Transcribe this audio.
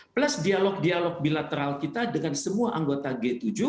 plus dialog dialog bilateral kita dengan semua anggota g tujuh